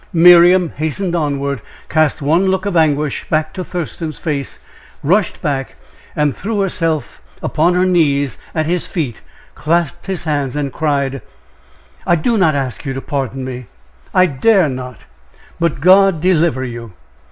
Miriam hastened onward, cast one look of anguish back to Thurston's face, rushed back, and threw herself upon her knees at his feet, clasped his hands, and cried: "I do not ask you to pardon me I dare not! But God deliver you!